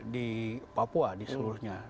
di papua di seluruhnya